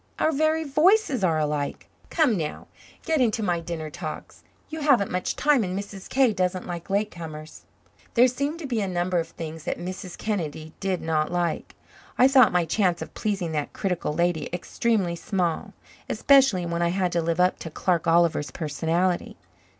Our very voices are alike. Come now, get into my dinner togs. You haven't much time and Mrs. K. doesn't like late comers." There seemed to be a number of things that Mrs. Kennedy did not like. I thought my chance of pleasing that critical lady extremely small, especially when I had to live up to Clark Oliver's personality.